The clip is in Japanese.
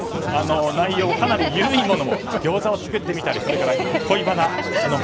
内容、かなり緩いものでギョーザを作ってみたりそれから恋バナなど。